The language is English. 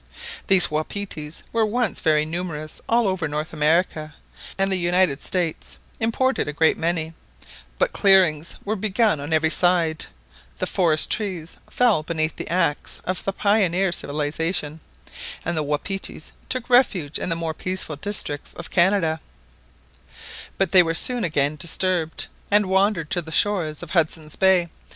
These wapitis were once very numerous all over North America, and the United States imported a great many; but clearings were begun on every side, the forest trees fell beneath the axe of the pioneer of civilisation, and the wapitis took refuge in the more peaceful districts of Canada; but they were soon again disturbed, and wandered to the shores of Hudson's Bay.